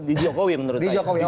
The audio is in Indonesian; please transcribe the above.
di jokowi menurut saya